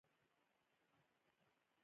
لومړی دا چې خصوصي مالکیت یې بنسټ نه دی.